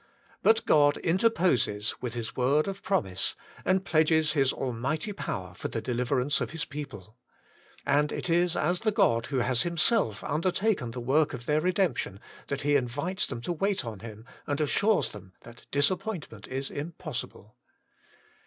But God interposes with His word of promise, and pledges His Almighty Power for the deliverance of His people. And it is as the God who has Himself undertaken the work of their redemption that He invites them to wait on Him, and assures them that disappointment is impossible.